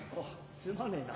すまねえな。